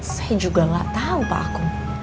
saya juga gak tau pak akung